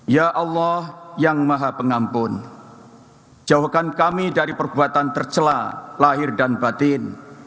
ya allah yang maha pengampun jawaban kami dari perbuatan tercela lahir dan batin